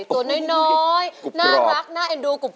ตัวน้อยน่ารักน่าเอ็นดูกลุ่ม